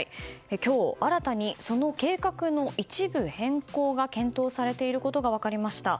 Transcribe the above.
今日、新たにその計画の一部変更が検討されていることが分かりました。